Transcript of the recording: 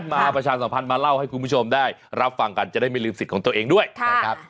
ประชาสัมพันธ์มาเล่าให้คุณผู้ชมได้รับฟังกันจะได้ไม่ลืมสิทธิ์ของตัวเองด้วยนะครับ